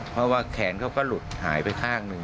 เพราะว่าแขนเขาก็หลุดหายไปข้างหนึ่ง